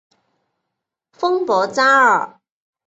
丰博扎尔。